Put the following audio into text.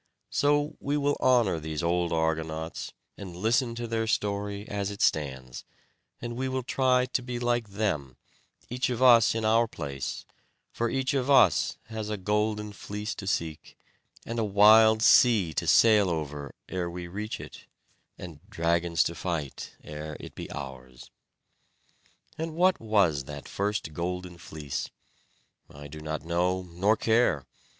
So we will honour these old Argonauts, and listen to their story as it stands; and we will try to be like them, each of us in our place; for each of us has a Golden Fleece to seek, and a wild sea to sail over, ere we reach it, and dragons to fight ere it be ours. And what was that first Golden Fleece? I do not know, nor care.